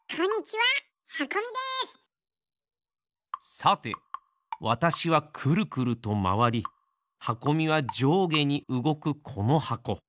さてわたしはくるくるとまわりはこみはじょうげにうごくこのはこ。